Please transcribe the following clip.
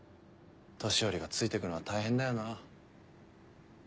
年寄りがついてくのは大変だよな。